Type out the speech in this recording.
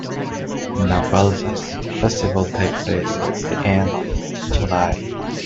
Navalsaz festival takes place at the end of July.